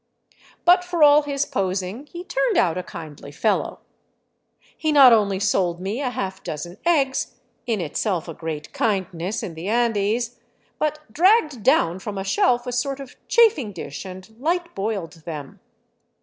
But for all his posing, he turned out a kindly fellow. He not only sold me a half dozen eggs — in itself a great kindness in the Andes — but dragged down from a shelf a sort of chafing dish and light boiled them.